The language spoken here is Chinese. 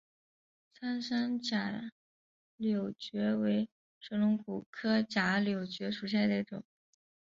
苍山假瘤蕨为水龙骨科假瘤蕨属下的一个种。